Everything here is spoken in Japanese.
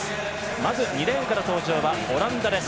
まず２レーンから登場はオランダです。